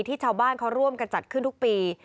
ชาวบ้านเขาร่วมกันจัดขึ้นทุกปี